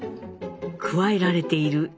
「くわえられている」。